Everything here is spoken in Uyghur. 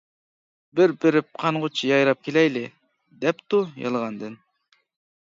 بىر بېرىپ قانغۇچە يايراپ كېلەيلى-دەپتۇ يالغاندىن.